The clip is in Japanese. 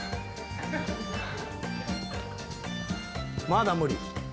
まだ無理？